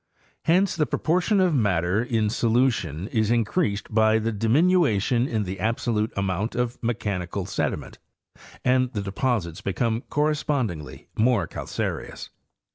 Hence the pro portion of matter in solution is increased by the diminution in the absolute amount of mechanical sediment and the deposits become correspondingly more calcareous.